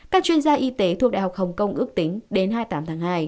các chuyên gia y tế thuộc đại học hồng kông ước tính đến hai mươi tám tháng hai